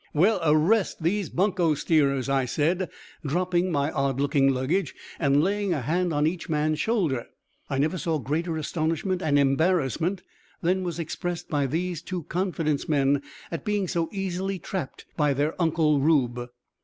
"Well, arrest these bunco steerers," I said, dropping my odd looking luggage and laying a hand on each man's shoulder. I never saw greater astonishment and embarrassment than was expressed by these two confidence men at being so easily trapped by their "Uncle Rube."